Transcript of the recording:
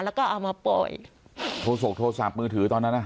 แล้วก็เอามาปล่อยโศกโทรศัพท์มือถือตอนนั้นอ่ะ